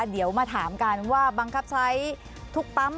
เดี๋ยวมาถามกันว่าบังคับใช้ทุกปั๊ม